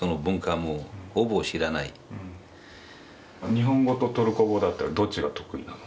日本語とトルコ語だったら、どっちが得意なの？